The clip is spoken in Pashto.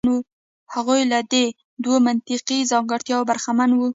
هغوی له دې دوو منطقي ځانګړتیاوو برخمن وو.